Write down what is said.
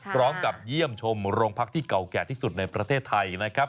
พร้อมกับเยี่ยมชมโรงพักที่เก่าแก่ที่สุดในประเทศไทยนะครับ